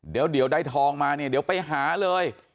เดี๋ยวได้ทองมาเนี่ยเดี๋ยวไปหาเลย